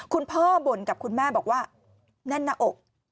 คุณพ่อบ่นกับคุณแม่บอกว่าแน่นหน้าอก